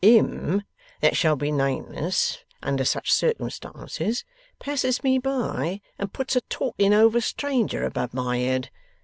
' Him that shall be nameless, under such circumstances passes me by, and puts a talking over stranger above my head.